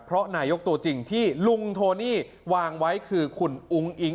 เพราะนายกตัวจริงที่ลุงโทนี่วางไว้คือคุณอุ้งอิง